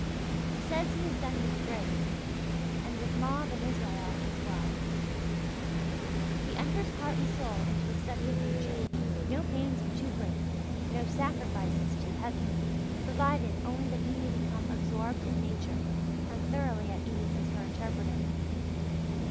He says he has done with "grays" and with Mauve and Israels as well (page 48). He enters heart and soul into a study of nature no pains are too great, no sacrifices too heavy, provided only that he may become "absorbed in nature," and thoroughly at ease as her interpreter.